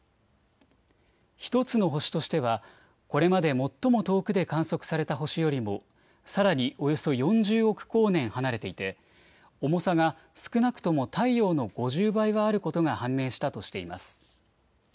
１つの星としてはこれまで最も遠くで観測された星よりもさらにおよそ４０億光年離れていて重さが少なくとも太陽の５０倍はあることが判明したとしています。